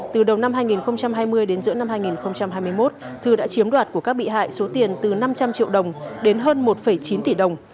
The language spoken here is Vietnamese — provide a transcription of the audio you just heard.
từ đầu năm hai nghìn hai mươi đến giữa năm hai nghìn hai mươi một thư đã chiếm đoạt của các bị hại số tiền từ năm trăm linh triệu đồng đến hơn một chín tỷ đồng